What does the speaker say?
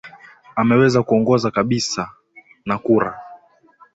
ameweza kuongoza kabisa na kura